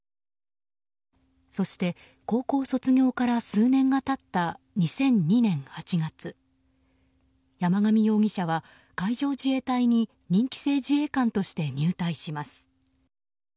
そして高校卒業から数年が経った２００２年８月山上容疑者は海上自衛隊に任期制自衛官として入隊します。